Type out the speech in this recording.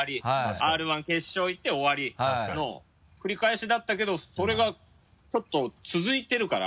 Ｒ−１決勝行って終わりの繰り返しだったけどそれがちょっと続いてるから。